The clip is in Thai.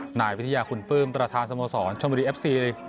หน่ายวิทยาคุณเปิ้มตรฐานสโมสรชนบรีเอฟซี